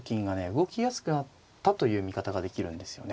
動きやすくなったという見方ができるんですよね。